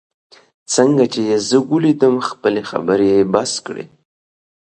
څنګه چي یې زه ولیدم، خپلې خبرې یې بس کړې.